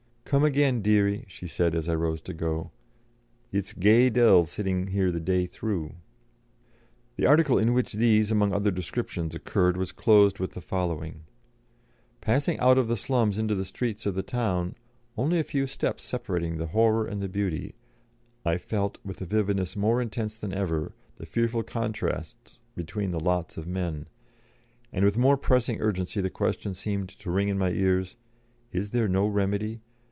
'Come again, deary,' she said as I rose to go; 'it's gey dull sitting here the day through.'" The article in which these, among other descriptions, occurred was closed with the following: "Passing out of the slums into the streets of the town, only a few steps separating the horror and the beauty, I felt, with a vividness more intense than ever, the fearful contrasts between the lots of men; and with more pressing urgency the question seemed to ring in my ears, 'Is there no remedy?